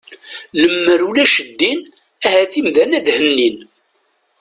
Lammer ulac ddin ahat imdanen ad hennin.